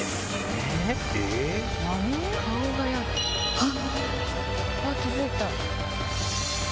あっ！